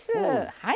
はい。